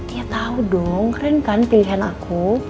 iya tau dong keren kan pilihan aku